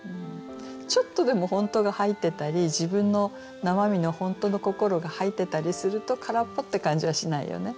ちょっとでも本当が入ってたり自分の生身の本当の心が入ってたりすると「からっぽ」って感じはしないよね。